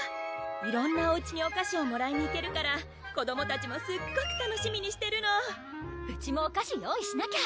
色んなおうちにお菓子をもらいに行けるから子どもたちもすっごく楽しみにしてるのうちもお菓子用意しなきゃ！